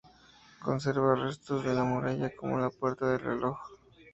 Conserva restos de la muralla, como la Puerta del Reloj.